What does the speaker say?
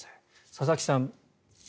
佐々木さん。